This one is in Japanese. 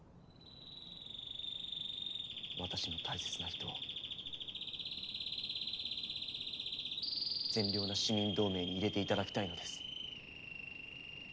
私の大切な人を善良な市民同盟に入れていただきたいのです。